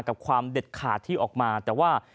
กับความเด็ดขาดที่ออกมาแต่ว่า